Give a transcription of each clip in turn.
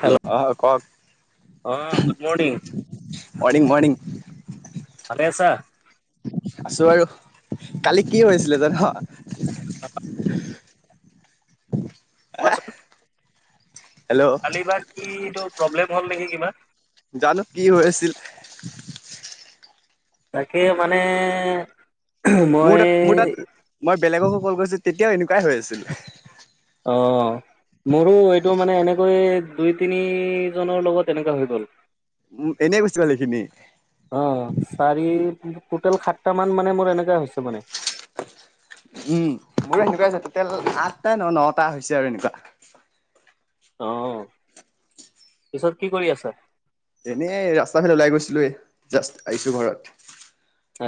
Hello অহ কওক অ গুড মৰ্ণিং মৰ্ণিং মৰ্ণিং ভালে আছা আছো আৰু কালি কি হৈছিলে জানা [unintelligible] কোৱাচোন হেল্ল' কালি বা কিটো প্ৰব্লেম হ'ল নেকি কিবা জানো কি হৈছিল তাকে মানে মোৰ মই তাত মোৰ তাত মই বেলেগক সকল কইছো তেতিয়াও এনেকুৱাই হৈ আছিল অ মোৰো এইটো মানে এনেকৈ দুই তিনি জনৰ লগত এনেকা হৈ গ'ল উম এনে গুছি গ'ল এইখিনি অ চাৰি টুটেল সাতটা মান মানে মোৰ এনেকুৱা হৈছে মানে উম মোৰ এনেকুৱা হৈছে টোটেল আঠটা নে নটা হৈছে আৰু এনেকুৱা অ পিছত কি কৰি আছা এনেই ৰাস্তা ফালে ওলাই গৈছিলোৱেই জাষ্ট আহিছো ঘৰত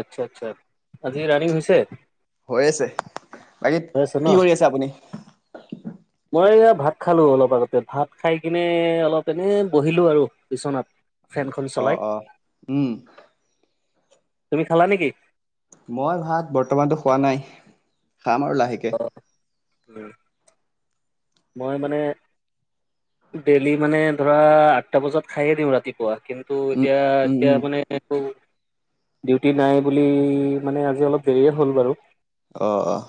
আচ্ছা আচ্ছা আচ্ছা আজি ৰানিং হৈছে হৈ আছে বাকী হৈ আছে কি ন কৰি আপুনি মই এয়া ভাত খালো অলপ আগতে ভাত খাই কিনে অলপ এনে বহিলো আৰু বিচনাত ফেনখন অ চলাই অ উম তুমি খালা নিকি মই ভাত বৰ্তমানতো খোৱা নাই খাম আৰু লাহেকে উম মই মানে ডেইলি মানে ধৰা আঠটা বজাত খায়েই দিওঁ ৰাতিপুৱা কিন্তু উম এতিয়া উম এতিয়া উম মানে এইটো ডিউটি নাই বুলি মানে আজি অলপ দেৰিয়ে হ'ল বাৰু অঁ অঁ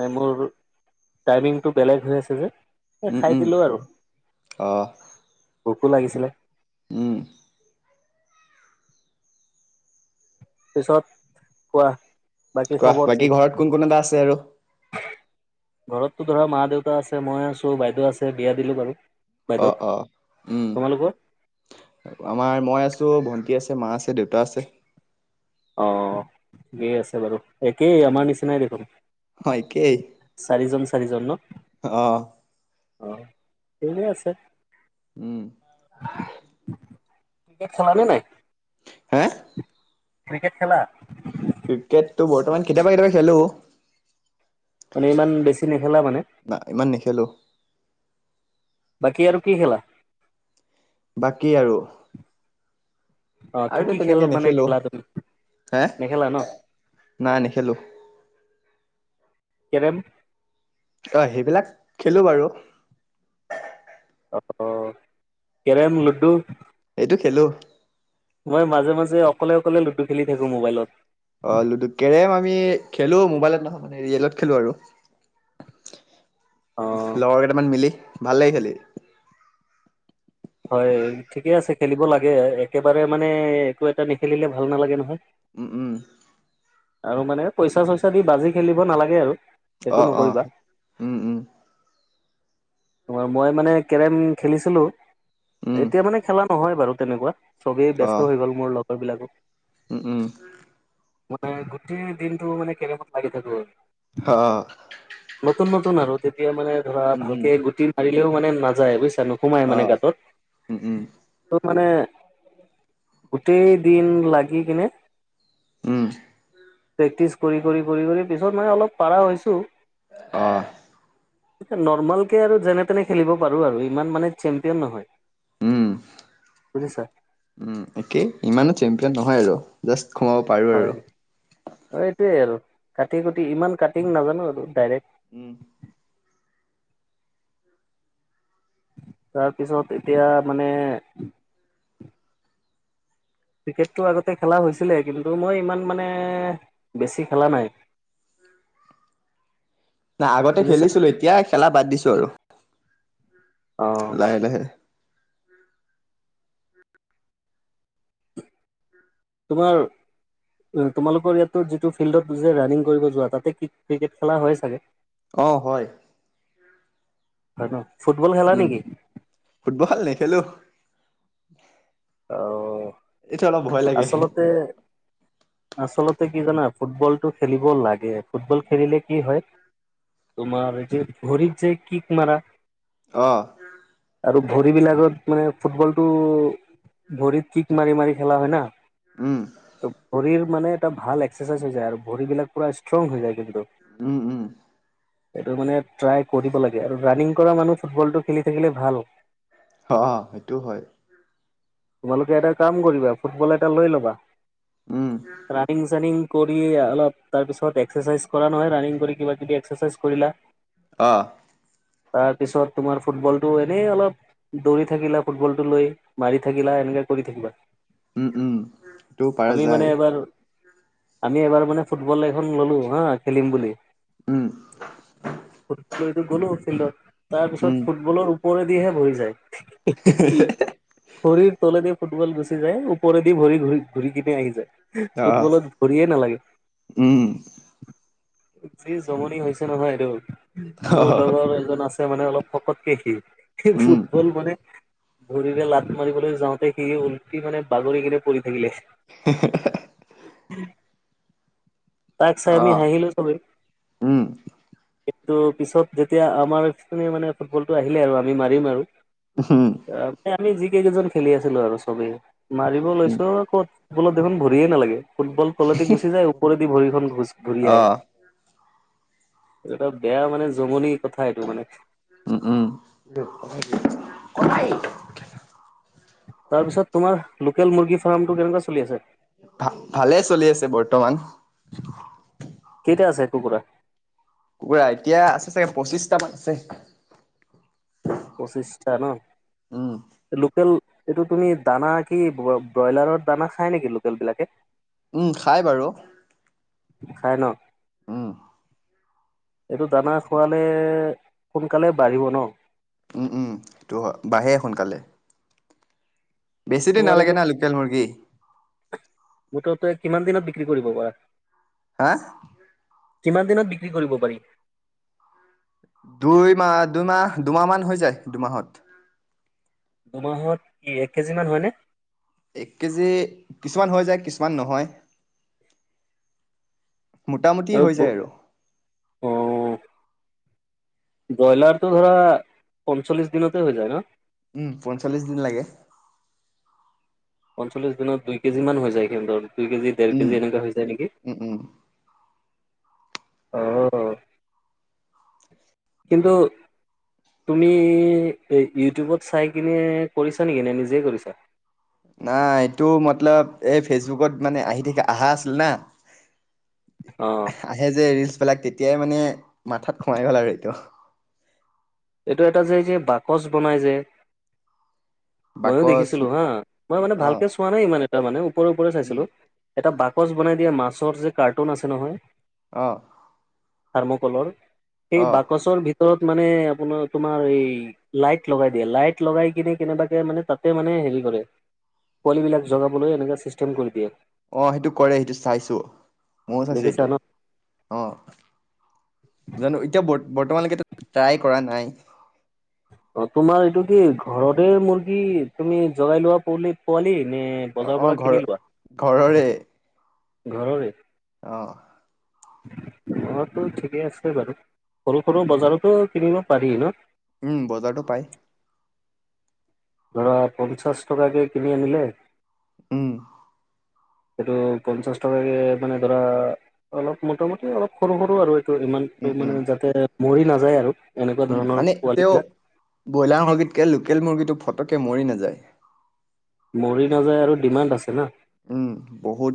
মেমৰ গ্ৰু টাইমিংটো বেলেগ হৈ আছে যে এ উম খাই উম দিলো আৰু অ ভোকো লাগিছিলে উম পিছত কোৱা বাকী কোৱা খবৰ কি ঘৰত কোন কোন এটা আছে আৰু ঘৰতো ধৰা মা দেউতা আছে মই আছো বাইদেউ আছে বিয়া দিলো বাৰু অ বাইদেউক অ উম তোমালোকৰ আমাৰ মই আছোঁ ভণ্টি আছে মা আছে দেউতা আছে অ ঠিকেই আছে বাৰু একেই আমাৰ নিচিনাই দেখোন হয় একেই চাৰিজন চাৰিজন ন। অ, অ, এনে আছে। উম, ক্ৰিকেট খেলালি নে নাই। হে, ক্ৰিকেট খেলা। ক্ৰিকেটটো বৰ্তমান কেতিয়াবা কেতিয়াবা খেলো। মানে ইমান বেছি নেখেলা মানে না ইমান নেখেলো। বাকি আৰু কি খেলা? বাকী আৰু, অ কি আৰুতো কি খেল তেনেকে মানে নেখেলো, খেলা তুমি হে নেখেলা ন নাই নেখেলো। কেৰেম, অ সেইবিলাক খেলোঁ বাৰু। অ অ, কেৰেম, লুডু। এইটো খেলো। মই মাজে মাজে অকলে অকলে লুডু খেলি থাকো মোবাইলত। অ' লুডু, কেৰেম আমি খেলো মোবাইলত নহয় মানে ৰিয়েলত খেলো আৰু। অ লগৰ কেইটামান মিলি ভাল লাগি খেলি। হয় ঠিকে আছে, খেলিব লাগে একেবাৰে মানে একো এটা নেখেলিলে ভাল নালাগে নহয়। উম, উম। আৰু মানে পইচা চইচা দি বাজি খেলিব নালাগে আৰু। সেইটো অ' অ' নকৰিবা উম, উম। মই মানে কেৰম খেলিছিলো উম এতিয়া, মানে খেলা নহয় বাৰু তেনেকুৱা। চবেই ব্যস্ত হৈ গ'ল মোৰ লগৰ বিলাকো। উম, উম। মানে গোটেই দিনটো মানে কেৰেমত লাগি থাকো। অ' নতুন নতুন আৰু তেতিয়া মানে ধৰা ভালকে গুটি মাৰিলেও মানে নাযায় বুজিছানো- সোমাই মানে গাতত। ত মানে গোটেই দিন লাগি কিনে। উম। প্ৰেক্টিচ কৰি কৰি কৰি কৰি পিছত মানে অলপ পাৰা হৈছোঁ। অ' নৰমেলকে আৰু যেনে তেনে খেলিব পাৰোঁ আৰু ইমান মানে চেম্পিয়ন নহয়। উম, বুজিছা উম, একেই ইমানো চেম্পিয়ন নহয় আৰু। জাষ্ট সোমাব পাৰোঁ আৰু। হয়। অ' এইটোৱে আৰু কাটি কুটি ইমান কাটিং নাজানো আৰু ডাইৰেক্ট। উম তাৰপিছত এতিয়া মানে- ক্ৰিকেটটো আগতে খেলা হৈছিলে, কিন্তু মই ইমান মানে বেছি খেলা নাই। [inaudible] নাই আগতে বুজিছা খেলিছিলো, এতিয়া খেলা বাদ দিছো আৰু অ লাহে, লাহে। তোমাৰ, তোমালোকৰ ইয়াতো যিটো ফিল্ডত যে ৰানিং কৰিব যোৱা তাতে ক্ৰিকেট খেলা হয় চাগে। অ' হয়। হয় ফুটবল খেল উম। নেকি? ফুটবল নেখেলোঁ। আৰু। এইটো অলপ ভয় লাগে আচলতে। আচলতে কি জানা? ফুটবলটো খেলিব লাগে ফুটবল খেলিলে কি হয়। তোমাৰ এই যে ভৰিত যে কিক মাৰা। অ' আৰু ভৰিবিলাকত মানে ফুটবলটো। ভৰিত কিক মাৰি - মাৰি খেলা হয় ন। উম। তভৰিৰ মানে এটা ভাল এক্সাৰচাইজ হৈ যায় আৰু ভৰি বিলাক পুৰা ষ্ট্ৰং হৈ যায় কিন্তু। উম উম। এইটো মানে ট্ৰাই কৰিব লাগে আৰু ৰানিং কৰা মানুহ ফুটবলটো খেলি থাকিলে ভাল। [inaudible] অ' সেইটো হয়। তোমালোকে এটা কাম কৰিবা ফুটবল এটা লৈ ল'বা। উম। ৰানিং - চানিং কৰি অলপ তাৰপিছত এক্সাৰচাইজ কৰা নহয় ৰানিং কৰি কিবা - কিবি এক্সাৰচাইজ কৰিলা। উ [unintelligible] অঁ। তাৰপিছত তোমাৰ ফুটবলতটো এনেই অলপ। দৌৰি থাকিলা ফুটবল টো লৈ মাৰি থাকিলা এনেকাে কৰি থাকিবা। উম উম। সেইটো পাৰা আমি মানে যায় এবাৰ আমি এবাৰ মানে ফুটবল এখন ললো হা খেলিম বুলি। উম। ফুটবলটো গ'লো ফিল্ডত তাৰ উম পিছত ফুটবলৰ [unintelligible] পৰেদিহে বৰি যায় খৰিৰ তলেদি ফুটবল গুচি যায় [unintelligible] ওপৰেদি ভৰি ঘূৰি কিনে আহি যায়, অ ফুটবলত ভৰি নালাগে। উম যি জমনি হৈছে নহয় এইটো, অ মোৰ লগৰ এজন আছে। মানে অলপ শকতকে সি, সি উম ফুটবল মানে। ভৰিৰে লাত মাৰিবলৈ যাওঁতে সি উলটি মানে বাগৰিকেনে পৰি থাকিলে। হ [unintelligible] তাক চাই আমি অ হাঁহিলো চব। উম, কিন্তু পিছত যেতিয়া আমাৰ মানে ফুটবলটো আহিলে আৰু আমি মাৰিম আৰু। হুম। আমি যিকেইজন খেলি আছিলো আৰু চবেই মাৰিব লৈছো ক'ত। ফুটবলত দেখন ভৰিয়ে নালাগে, ফুটবল তলদি গুচি। যায় ওপৰেদি ভৰিখন ঘূৰি আহে অ', এই এটা বেয়া মানে জমনি কথা এইটো মানে। উম উম। কায় [inaudible] তাৰপিছত তোমাৰ লোকেল মুৰ্গী ফাৰ্মটো কেনেকুৱা চলি আছে? ভা - ভালে চলি আছে বৰ্তমান। কেইতা আছে কুকুৰা? কুকুৰা এতিয়া আছে চাগে পঁচিশটামান আছে। পঁচিছটা ন। উম, লোকেল এইটো তুমি দানা কি ব্ৰইলাৰত দানা খাই নেকি লোকেল বিলাকে। খাই বাৰু খাই ন উম এইটো দানা খোৱালে সোনকালে বাঢ়িব ন উম উম সেইটো বাঢ়ে সোনকালে- বেছি দিন তোমাৰ নালাগে এইটো না লোকেল মুৰ্গী। মটৰ তে কিমান দিনত বিক্ৰী কৰিব পাৰা। হা কিমান দিনত বিক্ৰী কৰিব পাৰি। দুই মাহ দুইমাহ দুমাহমান হৈ যায় দুমাহত- দুমাহত কি এক কেজি মান হয়নে। এক কেজি কিছুমান হৈ যায় কিছুমান নহয়। মোটামুটি হৈ যায় আৰু অ ব্ৰইলাৰটো ধৰা পঞ্চল্লিশ দিনতে হৈ যায় ন'। উম, পঞ্চল্লিশ দিন লাগে। পঞ্চল্লিছ দিনত দুই কেজি মমান হৈ যায় সিহঁতৰ দুই কেজি ডৰ উম, কেজি এনেকুৱা হৈ যায় নেকি। উম, উম। অ', কিন্তু তুমি এই ইউটিউবত চাই কিনে কৰিছা নেকি নে নিজেই কৰিছা? নাই এইটো মতলব এই ফেচবুকত মানে আহি অহা আছিল না। অ', আহে যে ৰিলচ বিলাক তেতিয়াই মানে মাথাত সোমাই গ'ল আৰু এইটো। এইটো এটা যোয় যে বাকচ বনাই যে ময়ো বাকচ দেখিছিলো হা মই মানে অ ভালকে চোৱা নাই ইমান এটা মানে ওপৰে ওপৰে উম চাইছিলোঁ। এটা বাকচ বনাই দিয়ে মাছৰ যে কাৰ্টুন আছে নহয়। অঁ', থাৰ্মকলৰ সেই অ বাকচৰ ভিতৰত মানে আপোনাৰ তোমাৰ এই লাইট লগাই দিয়ে লাইট লগাই কিনে কেনেবাকে মানে তাতে মানে হেৰি কৰে পোৱলিবিলাক জগাবলৈ এনেকে চিষ্টেম কৰি দিয়ে। অ' সেইটো কৰে সেইটো চাইছো ময়ো চাইছো দেখিছা ন এইটো। অ' জানো এতিয়া ব বৰ্তমানলৈকে ট্ৰাই কৰা নাই। অ' তোমাৰ এইটো কি ঘৰতে মুৰ্গী তুমি জগাই লোৱা পল পোৱালি নে অ বজাৰৰ অ পৰা ঘৰ কিনি লোৱা ঘৰৰে ঘৰৰে। অ', অ' তো ঠিকে আছে বাৰু সৰু সৰু বজাৰতো কিনিব পাৰি ন'? উম, বজাৰতো পায়। ধৰা পঞ্চাছ টকাকৈ কিনি আনিলে। উম', সেইটো পঞ্চাশ টকাকে মানে ধৰা অলপ মোটামুটি অলপ সৰু সৰু আৰু তটো ইমান উম উম মানে যাতে মৰি নাযায় আৰু এনেকুৱা উম ধৰণৰ মানে পোৱালী তেওঁ বিলাক। ব্ৰইলাৰ মুৰ্গীতকৈ লোকেল মুৰ্গীটো ফটকৈ মৰি নাযায়। মৰি নাযায় আৰু ডিমাণ্ড আছে না। উমঁ! বহুত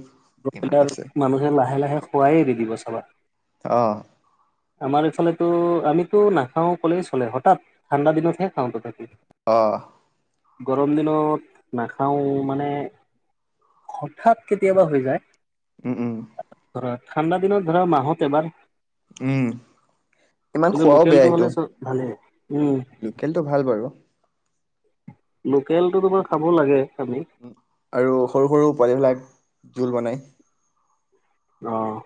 ডিমাণ্ড ব্ৰইলাৰ আছে মানুহে লাহে লাহে খোৱাই এৰি দিব চাবা। অঁ! আমাৰ এইফালতো আমিতো নাখাও ক'লেই চলে হঠাৎ। ঠাণ্ডা দিনতে খাওঁ তথাপি। অঁ! গৰম দিনত নাখাওঁ মানে হঠাৎ কেতিয়াবা হৈ যায়। উমঁ উমঁ! ধৰা ঠাণ্ডা দিনত ধৰা মাহত এবাৰ উমঁ! ইমান খোৱাও বেয়া সেইটো। ভালে লোকেলটো ভাল বাৰু। লোকেলটো তোবা খাব লাগে আমি। আৰু সৰু সৰু পোৱালিবিলাক জোল বনায়। অঁ!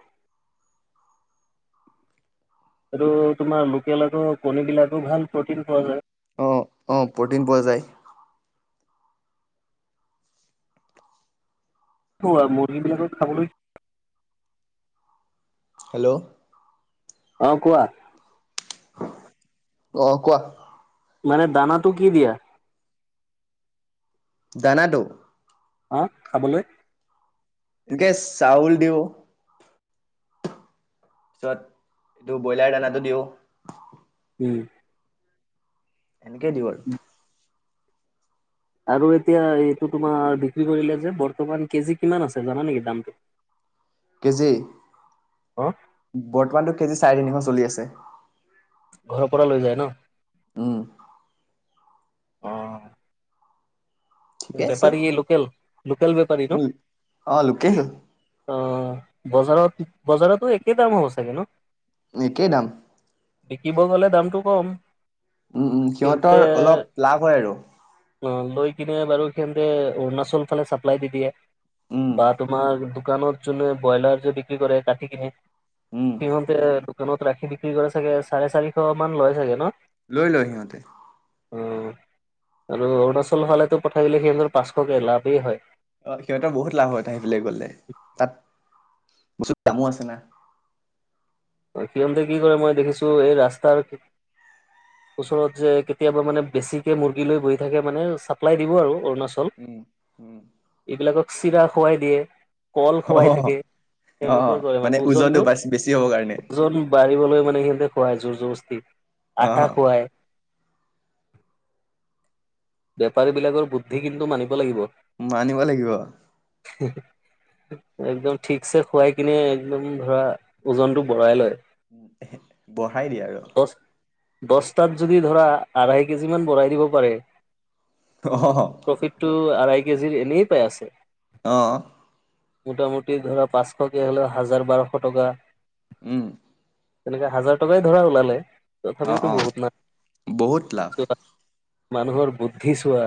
আৰু তোমাৰ লোকেলতো কণীবিলাকো ভাল প্ৰটিন পোৱা যায়। অঁ অঁ! প্ৰটিন পোৱা যায়। পোৱা মুৰ্গী বিলাকত খাবলৈ হেল্লো! অঁ! কোৱা অঁ! কোৱা। মানে দানাটো কি দিয়া? দানা দো অঁ! খাবলৈ গেছ চাউল দিওঁ পিছত এইটো ব্ৰইলাৰ দানাতটো দিওঁ। উমঁ! এনেকেই দিওঁ আৰু আৰু এতিয়া এইটো তোমাৰ বিক্ৰী কৰিলে যে বৰ্তমান কেজি কিমান আছে জানা নেকি দামটো কেজি অঁ! বৰ্তমানতো কেজি চাৰে তিনিখ চলি আছে। ঘৰৰ পৰা লৈ যায় ন। উমঁ! অ', ঠিকে আছে। বেপাৰী লোকেল লোকেল বেপাৰী উম, অ', লোকেল ন। অঁ! বজাৰত বজাৰতো একেই দাম হ'ব চাগে ন। একেই দাম। বিকিব গ'লে দামটো কম। উমঁ! উমঁ! সিহঁতৰ অলপ লাভ হয় আৰু অঁ লৈ কিনে বাৰু সিহঁতে অৰুণাচল ফালে চাপ্লাই দি দিয়ে। উম, বা তোমাৰ দোকানত যোনে ব্ৰইলাৰ যে বিক্ৰী কৰে কাটি কিনে উম, সিহঁত এই দোকানত ৰাখি বিক্ৰী কৰে চাগে চাৰে চাৰিশ মান লয় চাগে ন। লৈ লয় সিহঁতে। অঁ! আৰু অৰুণাচল ফালেতো পঠাই গ'লে সিহঁতৰ পাঁচশকে লাভেই হয়। অ সিহঁতৰ বহুত লাভ হয় তা সেইফালে গলে তাত বস্তু দামো আছে না সিহঁতে কি কৰে মই দেখিছো এই ৰাস্তাৰ ওচৰত যে কেতিয়াবা মানে বেছিকে মুৰ্গী লৈ বহি থাকে মানে চাপ্লাই দিব আৰু অৰুণাচল উম উম এইবিলাকক চিৰা খুৱাই দিয়ে, কল খুৱাই অ'। থাকে সেনেকুৱা কৰে মানে ওজনটো বেছি হ'ব কাৰণে ওজন বাঢ়িবলে মানে সিহতে খুৱাই জোৰ জবস্তি অ আটা খুৱায় বেপাৰী বিলাকৰ বুদ্ধি কিন্তু মানিব লাগিব মানিব লাগিব সি সি একদম ঠিকছে খুৱাই কিনি একদম ধৰা ওজনতটো বঢ়াই লয় বঢ়াই দিয়ে আৰু বছ বস্তাত যদি ধৰা আঢ়াই কেজিমান বৰাই দিব পাৰে অ হ অ প্ৰফিট টো আঢ়ৈ কেজিৰ এনেই পাই আছে অ মোটামুটি ধৰা পাঁচশকে হলে হাজাৰ, বাৰশ টকা উম তেনেকে হাজাৰ টকাই ধৰা ওলালে অ তথাপিওতো অ বহুত না বহুত লাভ মানুহৰ বুদ্ধি চোৱা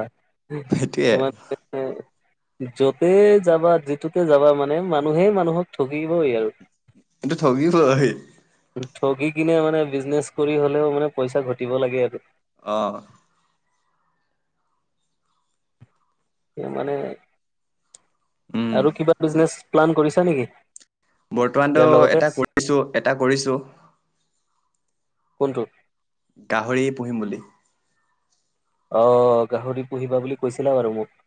সেইটোয়ে ইমানে যতেই যাবা যিটোতে যাবা মানে মানুহে মানুহক ঠগিবই আৰু এইটো ঠগিবই ঠগি কিনে মানে বিজনেচ কৰি হ'লেও মানে পইচা ঘটিব লাগে আৰু অ মানে উম আৰু কিবা বিজনেছ প্লান কৰিছা নেকি? বৰ্তমানতো ইয়াৰ লগতে এটা কৰিছো এটা কৰিছো কোনটো গাহৰি পুহিম বুলি অ গাহৰি পুহিবা বুলি কৈছিলা বাৰু মোক